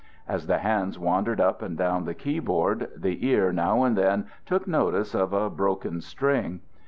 As the hands wandered up and down the keyboard, the ear now and then took notice of a broken string.